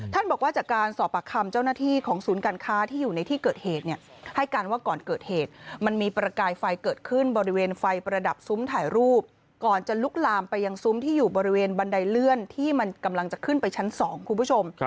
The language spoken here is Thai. บอกว่าจากการสอบปากคำเจ้าหน้าที่ของศูนย์การค้าที่อยู่ในที่เกิดเหตุเนี่ยให้การว่าก่อนเกิดเหตุมันมีประกายไฟเกิดขึ้นบริเวณไฟประดับซุ้มถ่ายรูปก่อนจะลุกลามไปยังซุ้มที่อยู่บริเวณบันไดเลื่อนที่มันกำลังจะขึ้นไปชั้น๒คุณผู้ชม